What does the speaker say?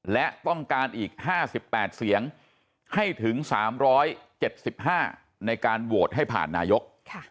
และต้องการอีก๕๘เสียงให้ถึง๓๗๕ในการโหวตให้ผ่านนายก